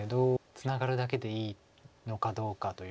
ツナがるだけでいいのかどうかというか。